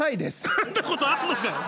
かんだことあんのかよ。